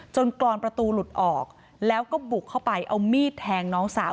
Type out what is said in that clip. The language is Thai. กรอนประตูหลุดออกแล้วก็บุกเข้าไปเอามีดแทงน้องสาว